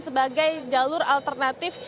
sebagai jalur alternatif